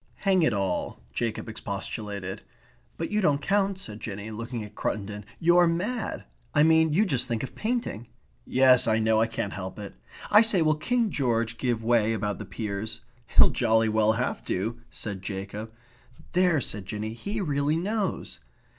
"Hang it all," Jacob expostulated. "But you don't count," said Jinny, looking at Cruttendon. "You're mad. I mean, you just think of painting." "Yes, I know. I can't help it. I say, will King George give way about the peers?" "He'll jolly well have to," said Jacob. "There!" said Jinny. "He really knows."